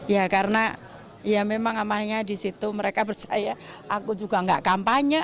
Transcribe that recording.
ya karena ya memang amalnya disitu mereka percaya aku juga gak kampanye